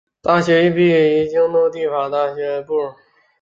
大学毕业于京都帝大法学部。